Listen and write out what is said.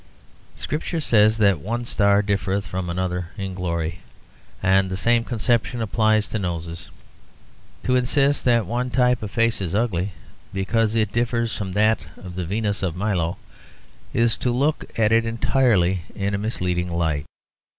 Scripture says that one star differeth from another in glory, and the same conception applies to noses. To insist that one type of face is ugly because it differs from that of the Venus of Milo is to look at it entirely in a misleading light.